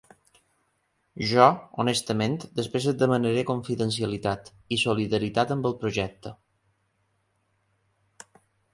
Jo, honestament, després et demanaré confidencialitat i solidaritat amb el projecte.